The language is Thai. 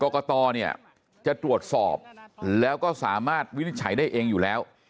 กตเนี่ยจะตรวจสอบแล้วก็สามารถวินิจฉัยได้เองอยู่แล้ว